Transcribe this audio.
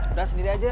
udah sendiri aja